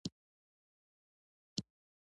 کله چې د خرڅلاو لپاره تولید دود شو سیالي زیاته شوه.